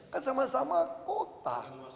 kan sama sama kota